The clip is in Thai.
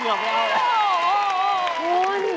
โอ้โฮ